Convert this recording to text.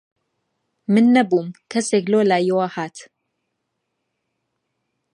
من نەبووم، کەسێک لەولایەوە هات